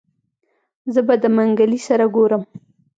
زه به د منګلي سره ګورم.